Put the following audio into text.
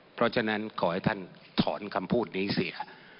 เพราะฉะนั้นขอให้ท่านถอนคำพูดนี้เสีย